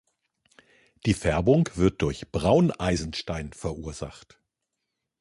Die Färbung wird durch Brauneisenstein verursacht.